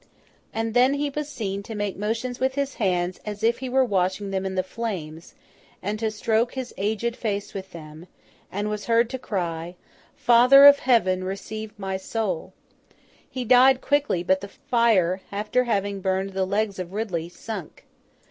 And then he was seen to make motions with his hands as if he were washing them in the flames, and to stroke his aged face with them, and was heard to cry, 'Father of Heaven, receive my soul!' He died quickly, but the fire, after having burned the legs of Ridley, sunk.